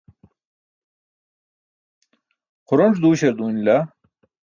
xuronc̣ duuśar duunila